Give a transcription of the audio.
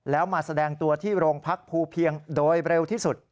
แล้วมาแสดงตัวที่โรงพักภูเพียงโดยเร็วที่สุด